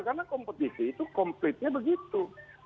karena kompetisi itu komplitnya begitu